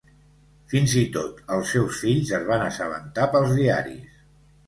Fins i tot els seus fills es van assabentar pels diaris.